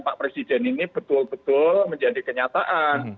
pak presiden ini betul betul menjadi kenyataan